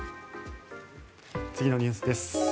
次のニュースです。